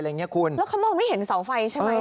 แล้วเขามองไม่เห็นเสาไฟใช่ไหม